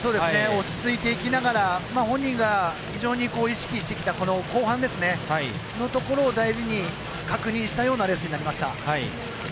落ち着いていきながら本人が非常に意識してきたこの後半のところを大事に確認したようなレースになりました。